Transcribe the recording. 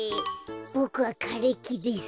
ボクはかれきです。